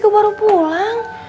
aku baru pulang